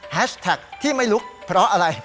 แท็กที่ไม่ลุกเพราะอะไร